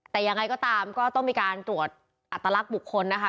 แต่ยังไงก็ตามก็ต้องมีการตรวจอัตลักษณ์บุคคลนะคะ